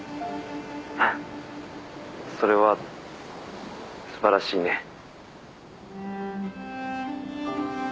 フッそれはすばらしいね。